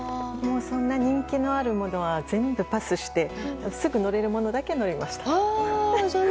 そんなに人気のあるものは全部パスしてすぐ乗れるものだけ乗りました。